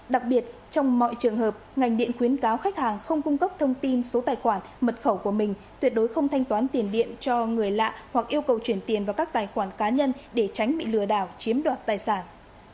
đặc biệt trong mọi trường hợp ngành điện khuyến cáo khách hàng không cung cấp thông tin số tài khoản mật khẩu của mình tuyệt đối không thanh toán tiền điện cho người lạ hoặc yêu cầu chuyển tiền vào các tài khoản cá nhân để tránh bị lừa đảo chiếm đoạt tài sản